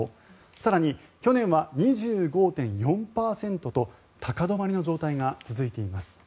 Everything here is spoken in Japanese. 更に、去年は２５．４％と高止まりの状態が続いています。